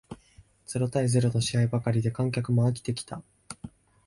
ゼロ対ゼロの試合ばかりで観客も飽きてきた